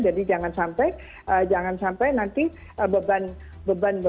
jadi jangan sampai jangan sampai nanti beban beban berubah